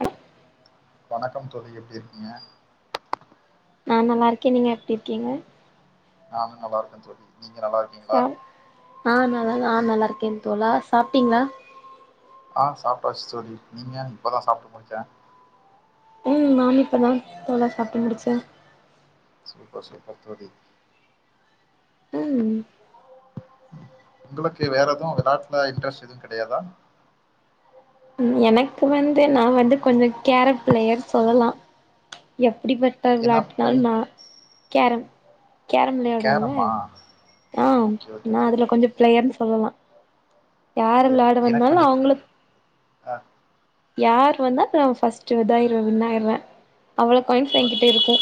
அ வணக்கம் தோழி எப்டி இர்க்கீங்க நான் நல்லாருக்கே நீங்க எப்டி இர்க்கிங்க நானு நல்லாருக்க தோழி நீங்க நல்லாருக் டே ஆ நல்லாதா நா நல்லாருக்கே தோழா சாப்ட்டீங்ளா ஆ சாப்ட்டாச்சு தோழி நீங்க இப்பதா சாப்ட்டு முடிச்ச ம் நானு இப்ப தா தோழா சாப்ட்டு முடிச்ச சூப்பர் சூப்பர் தோழி ம் உங்களுக்கு வேற எது வெளாட்டுல இன்ட்ரெஸ்ட் எதுவு கிடையாதா எனக்கு வந்து நா வந்து கொஞ்ச கேரப் ப்ளயர் சொல்லலா எப்புடிப்பட்டா என்ன பை விளாட்டுனாலு நா கேரம் கேரம் விளையாடுவோள்ல கேரமா ஆ ஓகே ஓகே நா அதுல தோழி கொஞ்ச பிள்ளையர்னு சொல்லலா யாரு எ- விள்ளாயாட எனக்கு வந்தாலு கொஞ்ச நா அவுங்ளுக் ஆ யார் வந்தா நம் ஃபஸ்ட்டு இதார்வ வின்னாயிற்ற அவளுக் coin okay okay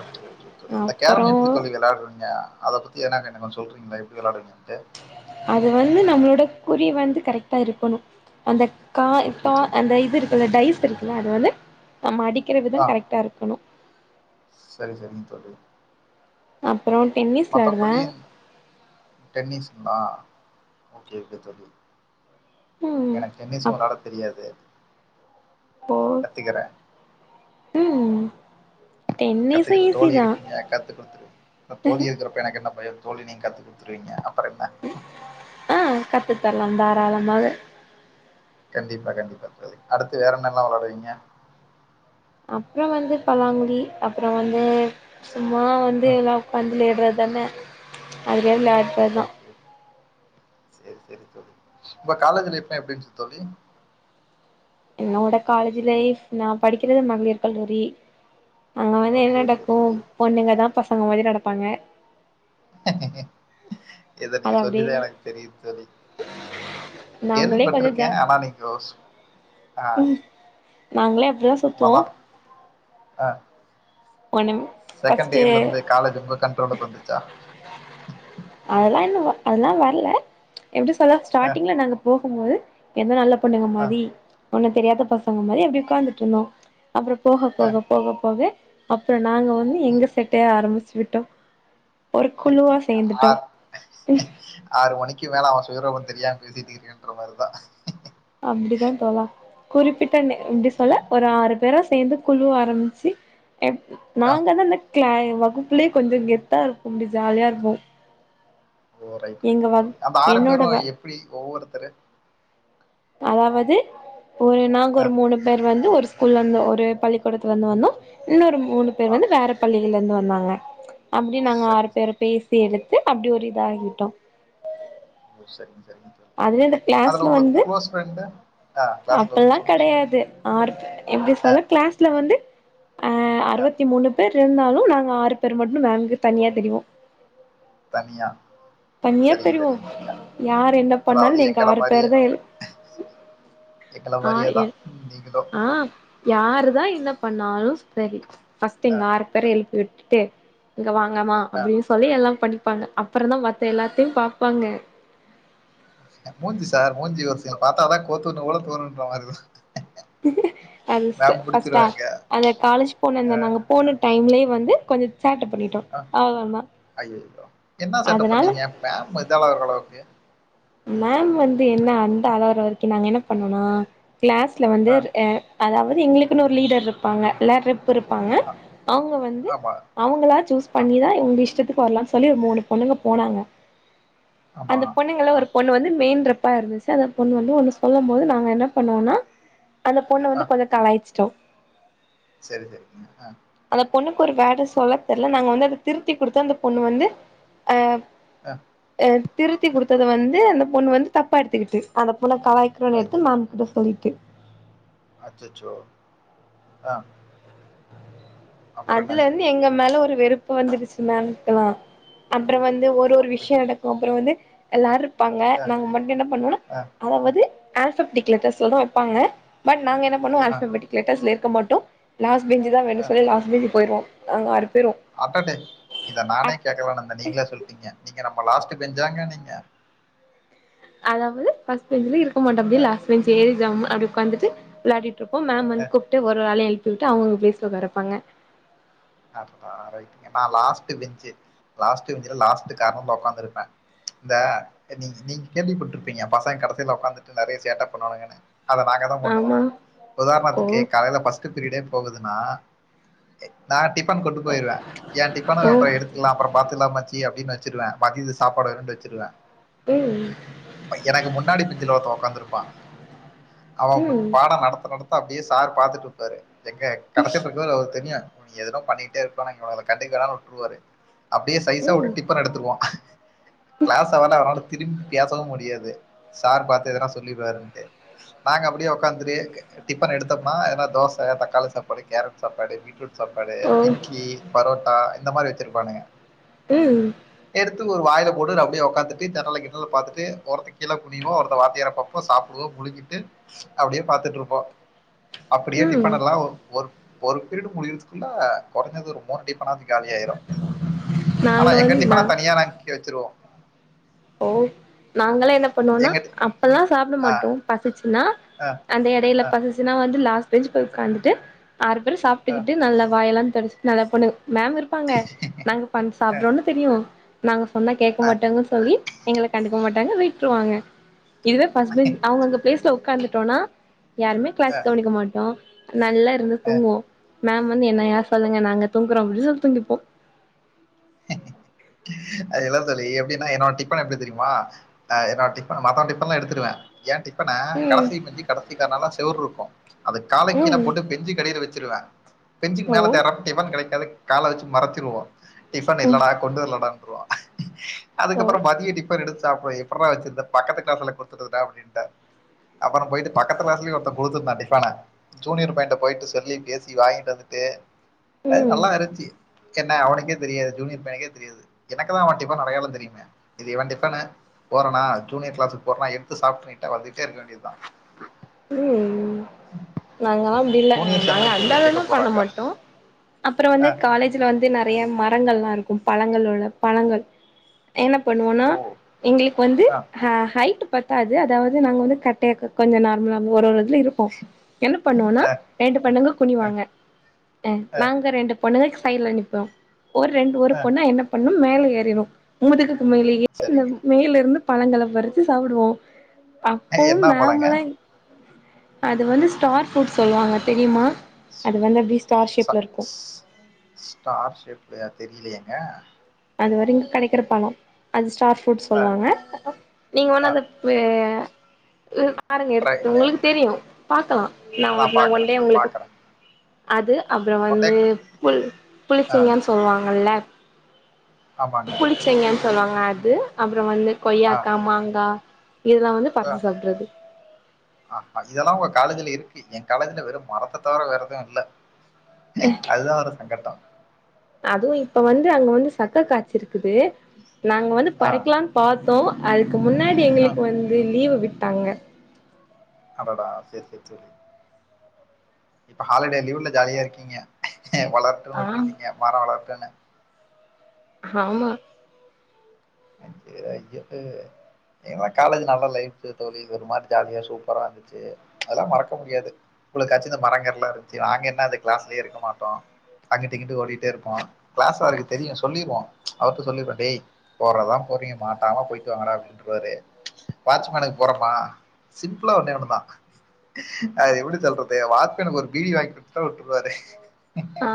okay okay தோழி இந்த கேரம் அப்பறோ எப்டி தோழி விளையாட்ரீங்க அத பத்து ஏனா கண்டிப்பா சொல்றீங்ளா எப்படி வெளாடுங்கின்ட்டு அது வந்து நம்ளோட குறி வந்து கரட்டா இருக்கணு அந்தக் கா ஓகே இப்பா தோழி அந்த இது இருக்குல்ல டைஸ் இருக்குல்ல அது வந்து நம் அடிக்கிற ஆ விதன் கரக்ட்டா இருக்கணு சரி சரிங் தோழி அப்புறோ டென்னி மத்தப்படின் டென்னிஸ் நா ஓகே ஓகே தோழி ம் எனக் டென்னிஸ் வெளாட தெரியாது போ கத்துக்கிறே உம் கத்துக்குற தோழி இருக்குங்க கத்து குடுத்துரு த தோழி இருக்றப் எனக் என்ன பயோ தோழி நீ கத்து குடுத்ருவீங்க அப்பறென்ன ம் ஆ கத்துத்தர்லா தாராளமாக கண்டிப்பா கண்டிப்பா தோழி அடுத்து வேற என்னெல்லா வெளாடுவீங்க அப்ற வந்து பலாங்குலி அப்றோ வந்தே சும்மா வந்து எல்லா உக்காந்து லேட்றதனே அதுலே விளாட் ஓகே ஓக் சரி சரி தோழி இப்ப காலேஜுல எப்பே எப்டின்ச்சு தோழி என்னோட காலேஜ் லைஃப் நா படிக்கிறது மகளிர் கல்லூரி அங்க வந்து என் ஓகே ஓகே நடக்கும் தோழி பொண்ணுங்கதா பசங்க மாதிரி நடப்பாங்க இத அது நீங்க அப்டியே சொல்லிதா எனக் தெரித் தோழி கேள்வி நாங்களே கொஞ்சோ பட்டுருக்கே ஜா ஆனா நீக்கோஸ் ஆ நாங்ளே அப்புதாஸ் வவா ஆ ஒனெம் செகண்ட் இயர்லுந்து காலேஜு உங்க கண்ட்ரோல தந்துச்சா அதெல்லா இன்னு வ அதெல்லா வர்ல எப்டி சொல்ல அஹ், ஸ்டாடிங்ல நாங்க போகும்போது எந்த நல்ல பொண்ணுங்க அஹ், மாதி ஒண்ணு தெரியாத பசங்க மாரி அப்டி உக்காந்துட்ருந்தோ அப்றோ போஹ அஹ், போக போக போகே அப்றோ நாங்க வந்து ம். எங்க செட்டே ஆரம்பிச்சு விட்டோ ஒரு குழுவா சேந்துட்டோ ஆறு ஆறு மணிக்கி மேல அவ சுயரூபோ தெரியாங்கிதிரீரியுன்ற மாரு தா அப்டிதா தோலா குறிப்பிட்ட நே இப்டி சொல்ல ஒர் ஆறு பேரா சேந்து குழு ஆரம்ச்சி எப் ஆ. நாங்க தந்நக் க்ளய் வகுப்புலே கொஞ்சு கெத்தா இருக்கும்டி ஜாலியா இருக்கு ஓ ரைட் ரைட் தோழி அந்த ஆறு என்னோட பேரு வ எப்டி ஒவ்வொருத்தரு அதாவது ஒரு நாங் ஆ, ஒரு மூணுப் தர் வந்து ஒரு ஸ்கூல்லந்து ஒரு பள்ளிக்கூடத்து வந்து வந்நோ இன்னொரு மூணு பேர் ஆ. வந்து வேறப் கள்ளிகலுந்து வந்தாங்க அப்டி நாங்க ஆறு சரிங்க, பேர சரிங்க. பேசி எடுத்து அப்டி ஒரு இதாகிட்டோ ஓ சரிங்க சரிங்க தோழி. அதுலே இந்த அதுல க்ளாஸ்ல உங்களுக்கு வந்து குளோஸ் ஃப்ரெண்டு? ஆ கிளாஸ்ல அப்பல்லா வந்து சொல்லுங்க, சொல்லுங்க. கடையாது ஆற்ப் எப்டி ஆ, சொல்ல க்ளாஸ்ல வந்து அ ஆ. அறுவத்தி மூணு பேர் ருந்தாலு நாங்க ஆறு பேர் மட்டு வேங்கு தனியா தெரிவோ தனியா தனியா சரிங்க, தெரிவோ சரிங்க தோழி. யார் என்ன அதாவது பண்ணால் நெங் எங்கள ஆறு பேர் மாரியே தா எழு எங்கள ஆ மாரியே தான் என் நீங்களும். ஆ யாரு தான் என்ன பண்ணாலுஸ் செரி ஃபஸ்ட் ஆ, எங் ஆறு பேரே எழ்ப் விட்டுட்டே இங்க வாங்கமா ஆ. அப்டின்னு சொல்லி எல்லா படிப்பாங்க அப்பறன்தா மத்த எல்லாத்தையு பாப்பாங்க மூஞ்சி சார் மூஞ்சி ஒரு சிலர பா்த்தா தா கோத்துன்னு வுடன்ணுன்ற மாரி தா அதுஸா ஃபர்ஸ்ட் டா புடிச்சுருவாங்க. அந்த காலேஜ் போன ஆ, அந்த நாங்க போன டைம் இல்ல வந்து கொஞ்ச சேட்ட பண்ணட்டோ ஐயோ என்ன செட்டப் அதனால பண்ணீங்க [unintelligible] மேம் வந்து என்ன அந்த அளவுற வரக்கும் நாங்க என்ன பண்ணனா கிளாஸ்ல வந்து ஆ, அதாவது எங்களுக்குன்னு ஒரு லீடர் இருப்பாங்க ரெப் இருப்பாங்க ஆ. அவங்க வந்து ஆமா. அவங்களா சூஸ் ஆ, பண்ணிதா இவங்களுக்கு இஷ்டத்துக்கு வரலாம்னு சொல்லி ஒரு மூணு பொண்ணுங்க போனாங்க ஆமா. அந்த பொண்ணுங்கல ஒரு ஆ, பொண்ணு வந்து மெயின் ரெப்பா இருந்துச்சு அத பொண்ணு வந்து ஒண்ணு சொல்லும் போது நாங்க என்ன பண்ணுவோம்னா அந்த பொண்ண வந்து கொஞ்ச கலாய்சச்சுட்டோ செரி செரி அந்த பொண்ணுக்கு ஒரு வேர்ட் சொல்ல தெரில நாங்க வந்து அத திருத்தி கொடுத்து அந்த பொண்ணு வந்து அ ஆ அ திருத்தி கொடுத்த வந்து அந்த பொண்ணு வந்து தப்பா எடுத்துக்கிட்டு அந்த பொண்ண கலாய்க்கி றோன்னு எடுத்து மேம்கிட்ட சொல்லிட்டு அச்ச அச்சோ ஆ அப்புறம் அதுல என்னாச்சுங்க? இருந்து எங்க மேல ஒரு வெறுப்ப வந்துடுச்சு மேம்க்கலா அப்பற வந்து ஓ! ஒரு ஒரு அப்படி. விஷய நடக்கும் அப்பற வந்து எல்லாரும் இருப்பாங்க ஆ நாங்க மட்டும் என்ன பண்ணோம்னா ஆ அதாவது ஆல்ஃபட்டிக்ா லெட்டர்ஸ் தா வைப்பாங்க பட் நாங்க என்ன பண்ணுவம் ஆ ஆல்ஃபட்டிக்ா லெட்டர்ஸ் இருக்க மாட்டும் லாஸ்ட்ஞ்சு தா வேணும்ன்னு பார்த்து ஆ ன சொல்லி லாஸ்ஞ்ச் போயிருவோ நாங்க ஆறு போயிடுவோ அட்டாடே இத நானே கேக்குள்ளான்னு இருந்த நீங்களே சொல்லிட்டீங்க நீங்க நம்ம லாஸ்ட்ட் பெஞ்சாங்க நீங்க அதாவது ஃபர்ஸ்ட் பெஞ்ச்ல இருக்க மாட்டோ அப்டியே அ லாஸ்ட் பெஞ் ஏறி ஜம்முனு அப்டி உக்காந்துட்டு விளயாட்டு இருப்போ மேம் அ வந்து கூப்ட்டு ஒருரளையு எழுப்பிட்டு அவங்க பிளேஸ்ல உக்கார. வைப்பாங்க அ நான லாஸ்ட் பெஞ்சு லாஸ்டூ பெஞ்ச்ல லாஸ்ட் கார்னர் உக்காந்து இருப்ப இந்த நீ நீங்க கேள்விப்பட்டுருப்பீங்க பசங்க கடசில உக்காந்துட்டு நெறைய சேட்ட பண்ணுங்கன்ன அத நா தா பண்ணுவோம் ஆமா ஓ உதாரணத்துக்கு காலையில ஃபர்ஸ்ட் பீரிடே போகுதுன்னா நா டிஃபன் கொண்டு போயிடுவ எய டிஃபன் ஓ அப்பற எடுத்து எல்லா அப்பற பாத்துகலா மச்சி அப்டின்னு வச்சிருவ மத்தியத்துக்கு சாப்பாடு வேனுண்டு வச்சிருவ ம் எனக்கு முன்னாடி பெஞ்சுல ஒருத்த உக்காந்துருப்பா அவ ம் பாட நடத்த நடத்த அப்டியே சார் பாத்துட்டு இருப்பாரு எங்க கடைச்சில இருக்க அவருக்கு தெரியு எதுனோ பண்ணிட்டே இருப்ப நாங்க கண்டுகாம வுட்டுருவாரு அப்டியே சைசா ம் டிஃபன் எடுத்துடுவோ கிளாஸ் ஹவர்ல அவனால திரும்பி பேசவும் முடியாது சார் பாத்து எதனா சொல்லிடுவாருன்ட்டு நாங்க அப்டியே உட்காந்துட்டே டிஃபன் எடுத்தோம்னா ஏனா தோச தக்காளி சாப்பாடு கேரட் சாப்பாடு வீட் சாப்பாடு ஓ இட்லி பரோட்டா இந்த மாதிரி வச்சிருப்பானுங்க ம் எடுத்து ஒரு வாயில போடு அப்டியே உக்காத்துட்டு ஜன்னல கின்னல பாத்திட்டு ஒருத்த கீழே குனியுவா ஒருத்த வாத்தியாற பாப்பா சும்மா சாப்டுவோ முழுங்கிட்டு அப்டியே பாத்துட்டு இருப்போ அப்டியே ம் டிஃபன் எல்லாம் ஒரு ஒரு பீரிடு முடியுறதுக்குள்ள குறைஞ்சது ஒரு மூனு ஒரு டிஃபன்னாது காலி ஆயிரு ஆனா நாங்க எங்க வந்து நா டிஃபன்னா தனியா நாங்க இங்க வச்சிருவோ ஓ நாங்களாம் என்ன பண்ணுவோம்னா எங்க அப்பெல்லாம் சாப்ட ஆ மாட்டோ பசிச்சின்னா ஆ அந்த எடையில ஆ ஆ பசிசுனா வந்து லாஸ்ட் பெஞ்ச் போய் உட்காந்துட்டு ஆறு பேர் சாப் ஆ சாப்டுக்கிட்டு நல்ல வாயெல்லாம் துடைச்சிகிட்டு நல்லா பொண்ணு மேம் இருப்பாங்க நாங்க பண்ண ஆ சாப்டுறோம்னு தெரியு நாங்க சொன்னா கேக்க மாட்டாங்கன் சொல்லி எங்கள கண்டுக்க மாட்டாங்க விட்ருவாங்க இதுவே ஃபஸ் பெஞ்ச் அவ்ங்க அங்க ப்ளேஸ்ல ஒக்காந்துட்டோன்னா யாருமே க்ளாஸ் ஆ கவனிக்க மாட்டோ நல்லா இருந்து ஆ. தூங்குவோ மேம் வந்து என்ன யார் சொல்லுங்க நாங்க தூங்குறோ அப் சொல்லி தூங்கிப்போ அது இல்ல தோழி எப்டின்னா என்னோட டிஃபன் இருக்கு தெரிய்மா ஆ என்னோட டிஃப மத்தவ டிஃபன்லா எடுத்துடுவ ஏ டி ஃபன ம் கடசி பெஞ்சி கடசி கார்னர்ல செவுற் இருக்கு அது கால கீழ ம் போட்டு பெஞ்சுக்கடியில வச்சிருவ பெஞ்சிக் ஓ மேல தேர்றப் டிஃபன் கெடைக்காது கால வச்சு மறச்சிருவோ டிஃபன் ம் இல்லடா கொண்டு வர்லடான்ருவோ ஓ அதுக்கப்பறொ மதிய டிஃபன் எடுத்து சாப்பு எப்புர்றா வச்சிர்ந்த பக்கத்து க்ளாஸ்ல குடுத்ததுடா அப்டின்ட்ட அப்பறொ போய்ட்டு பக்கத்து க்ளாஸ்லயு ஒருத்த குடுத்ருந்தா டிஃபன ஜூனியர் பையன்ட்ட போய்ட்டு சொல்லி பேசி வாங்கிட்டு வந்துட்டு அது ம் நல்லா இருன்ச்சி என்ன அவனுக்கே தெரியாது ஜூனியர் பையனுக்கே தெரியாது எனக்கு தா அவ டிஃபன் அடையாளொ தெரியுமே இது‌ இவ டிஃபனு போறனா ஜூனியர் க்ளாஸுக் போறனா எட்த்து சாப்ட்டு நீட்டா வந்துட்டே இருக்க வேண்டிதா [unintelligible] நாங்களா அப்டி இல்ல ஜூனியர் நாங்க என்ன அந்த கேள்வி கேட்க அளவ்லா பண்ண போறாங்க மாட்டோ அப்பறொ ஆ, வந்து காலே ஜுல வந்து நறைய மரங்கள்லா இருக்கு பழங்கல்ல உள்ள பழங்கள் என்ன பண்ணுவோன்னா ஓ எங்களுக்கு வந்து ஆ ஹ ஹைட்டு பத்தாது அதாவது நாங்க வந்து கட்டைய க கொஞ்ச நார்மலா ஒரு ஒரு இதுல இருப்போ என்ன பண்ணுவோன்னா ஆ ரெண்டு பொண்ணுங்க ஆ குனிவாங்க அ ஆ, நாங்க ரெண்டு பொண்ணுங்க சைட்ல நிப்போ ஒரு ரெண்டு ஒரு ஆ, பொண்ண என்ன பண்ணும் மேல ஏறிரு முதுகுக்கு மேலே சரிங்க [inaudible] மேலேர்ந்து பழங்கள பறிச்சி சாப்டுவோ அப்பவும் என்ன பழங்க? மேமெல்லா அது வந்து ஸ்டார் ஃப்ரூட் சொல்லுவாங்க தெரியுமா அது வந்து அப்டி ஸ்டார் இந்த ச ஷேப்ல இருக்கு ஸ் ஸ்டார் ஷேப்பு அத்தெரிலயேங்க அது வர இங்க கெடைக்கிற பழொ அது ஸ்டார் ஃப்ரூட் அ, சொல்லுவாங்க நீங்க அ வேணா அத பே பாருங்க ட்ரை எடுத்து உங்களுக்கு தெரியு பாக்கலா நா நான் ஒர்ந ஒன் பாக்குறேன், டே உங்களுக்கு பாக்குறேன். அது அப்றொ ஒன் டே வந்து புள் ஆ, புளிச்செங்கா சொல்லுவாங்கல்ல ஆமாங்க. புளிச்செங்கன் சொல்லுவாங்க அது அப்றொ வந்து ஆ, கொய்யாக்கா மாங்கா இதுலா வந்து பற்ச்சி சாப்ட்றது ஆ அ இதெல்லா உங்க காலேஜ்ல இருக்கு ஏ காலேஜ்ல வெறு மரத்த தவர வேற எதுவு இல்ல அஹ அதுதா ஒரு சங்கட்டொ அதுவு இப்ப வந்து அங்க வந்து சக்க காய்ச்சிருக்குது நாங்க வந்து ஆ, பறிக்லான் பாத்தோ அதுக்கு முன்னாடி ஆ. எங்களுக்கு வந்து லீவு விட்டாங்க அடடா சேரி சேரி இப்ப ஹாலிடே லீவுல ஜாலியா இருக்கீங்க வளரட்டூன் ஆ விட்டுட்டீங்க மரோ வளர்டூனு ஹாமா ஐயோ ஐயோ ம் எங்க காலேஜ் நல்லா லைஃபு தோழி ஒரு மாரி ஜாலியா சூப்பரா ச்சு அதெல்லா மறக்க முடியாது உங்களுக்காச்சு இந்த மரங்கள்லா இருந்ச்சு நாங்க என்ன அந்த க்ளாஸ்லயே இருக்க மாட்டோ அங்கிட்டு இங்கிட்டு ஓடிட்டே இருப்போ க்ளாஸ் அவருக்கு தெரியு சொல்லிருவோ அவர்ட்ட சொல்லிருவோ டேய் போறதா போறீங்க மாட்டாம போய்ட்டு வாங்கடா அப்டின்றுவாரு வாட்ச்மேனுக் போறமா சிம்ப்புளா ஒன்னே ஒன்னுதா அது எப்டி சொல்றது வாச்மேன்க்கு ஒரு பீடி வாங்கி குடுத்துட்டா உட்ருவாரு ஆ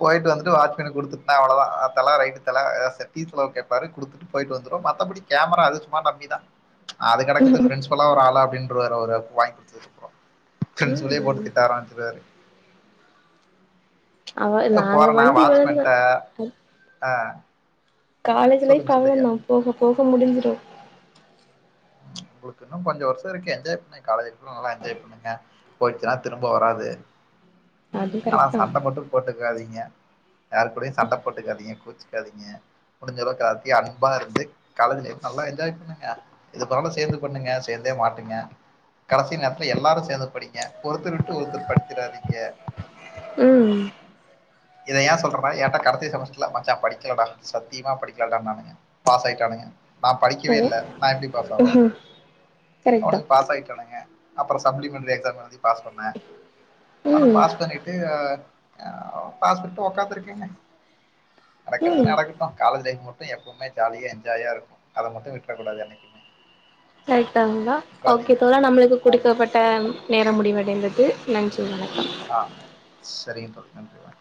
போயிட்டு வந்துட்டு வாட்ச்மேன் குடுத்து நா அவ்வளோதா அதலா ரைட்டு தல எதாது செய் ஃபீஸ் இவ்ளோ கேட்டாரு குடுத்துட்டு போயிட்டு வந்துரோ மத்தபடி கேமரா அது சும்மா டம்மிதா அது கடக்குது ஃப்ரென்ஸ் வொளா ஒரு ஆளா அப்டின்றுவாரு ஒரு வாங்கி குடுத்ததுக்கப்றோ ஃப்ரென்ஸ்வொலயே போட்டு ம் திட்ட ஆரம்பிச்சிருவாரு அவ நாங்க போறனா வந்து இவளதா வாட்ச்மன்ட்ட ஆ காலேஜ் லைஃப் சொல்லுங்க சொல்லுங்க அவ்வளதா போக போக முடிஞ்சிடு உங்களுக்கு இன்னு கொஞ்ச வருஷ இருக்கு என்ஜாய பண்ணுங்க காலேஜு லைஃப் நல்ல என்ஜாய் பண்ணுங்க போயிச்சுன்னா திரும்ப வராது அது ஆனா கரெக்ட் தா சண்ட மட்டு போட்டுக்காதீங்க யாரு கூடயு சண்ட போட்டுக்காதீங்க கோச்சுக்காதீங்க முடிஞ்சளவு கத்தி அன்பா இருந்து காலேஜ் லைஃப் நல்லா என்ஜாய் பண்ணுங்க இது பண்ணாலு சேந்து பண்ணுங்க சேந்தே மாட்டுங்க கடைசி நேரத்துல எல்லாரு சேந்து படிங்க ஒருத்தர் விட்டு ஒருத்தர் படிச்சிறாதீங்க ம் இத ஏ சொல்றோட ஏன்ட்டா கடைசி செமஸ்டர்ல மச்சா படிக்கல டா சத்தியமா படிக்கல டானுவானுங்க பாஸ் ஆயிட்டானுங்க நா படிக்கவே இல்ல நா எப்டி பாஸ் ஆவே கரெக்ட் தா அவனுஙாக பாஸ் ஆகிட்டானுங்க அப்புற சப்ளிமெண்ட்ரி எக்ஸாம் எழுதி பாஸ் பன்ன அத ம் பாஸ் பண்ணிட்டு் பாஸ் பண்ணிட்டு ஒக்காத்து இருக்கேங்க நடக்கிறது ம் நடக்கட்டு காலேஜ் லைஃப் மட்டு ப்பவுமே ஜாலியா என்ஜாயா இருக்கு அத மட்டு விட்டுறக் கூடாது என்னைக்குமே [unintelligible] காங்ளா ஓகே விட்றாதீங்க. இப்பதா நம்மளுக்கு ஆமா. குடுக்கப்பட்ட ட்ட நேரம் முடிவடைந்தது நன்றி வணக்கம் ஆ சரிங்க தோழ நன்றி வண